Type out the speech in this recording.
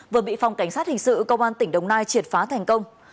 vừa bị phòng cảnh sát hình sự công an tỉnh đồng nai triệt phá thành công